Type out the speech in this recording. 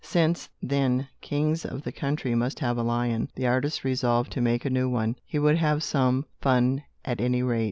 Since, then, kings of the country must have a lion, the artist resolved to make a new one. He would have some fun, at any rate.